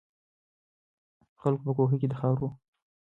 خلکو په کوهي کې د خاورو اچول پیل کړل.